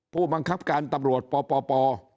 ผู้บังคับการตำรวจปป